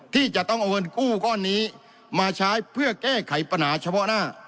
ที่จะต้องเอาเงินกู้ก้อนนี้มาใช้เพื่อแก้ไขปัญหาเฉพาะหน้า